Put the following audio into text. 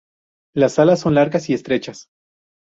Las alas son largas y estrechas.